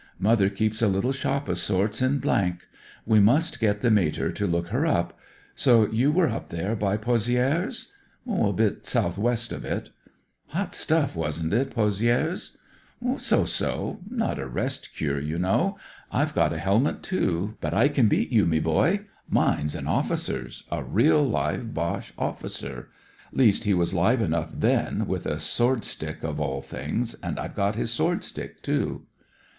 Mother keeps a little shop o^ sorts in . We must get the mater to look her up. So you were up there by Pozieres ?"" A bit south west of it." BROTHERS OF THE PARSONAGE 127 " Hot stuff, wasn't it~Pozidres ?"*' So so ; not a rest cure, you know. I've got a helmet, too ; but I can beat you, me boy. Mine's an officer's — a real live Boche officer ; least, he was live enough then, with a sword stick of all things, and I've got his sword stick, too."